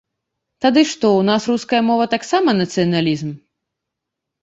Тады што, у нас руская мова таксама нацыяналізм?